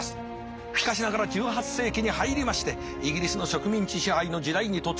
しかしながら１８世紀に入りましてイギリスの植民地支配の時代に突入。